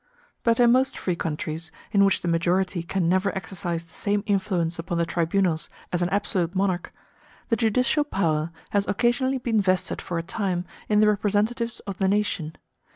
But in most free countries, in which the majority can never exercise the same influence upon the tribunals as an absolute monarch, the judicial power has occasionally been vested for a time in the representatives of the nation.